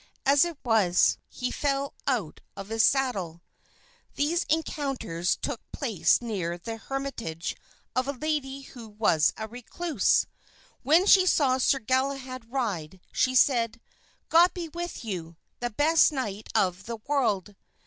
As it was, he fell out of his saddle. These encounters took place near the hermitage of a lady who was a recluse. When she saw Sir Galahad ride she said, "God be with you, the best knight of the world."